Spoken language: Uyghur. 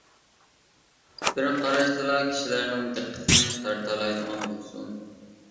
بىر قاراشتىلا كىشىلەرنىڭ دىققىتىنى تارتالايدىغان بولسۇن.